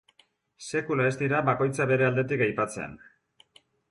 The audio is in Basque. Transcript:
Sekula ez dira bakoitza bere aldetik aipatzen.